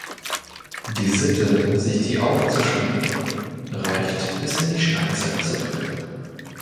Die Sitte, sich die Augen zu schminken, reicht bis in die Steinzeit zurück.